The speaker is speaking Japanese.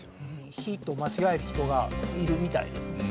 「ひ」と間違える人がいるみたいです。